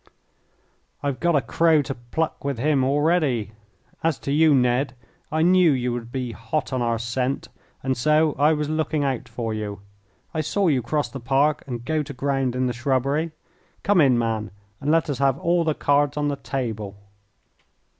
"I've got a crow to pluck with him already. As to you, Ned, I knew you would be hot on our scent, and so I was looking out for you. I saw you cross the park and go to ground in the shrubbery. Come in, man, and let us have all the cards on the table."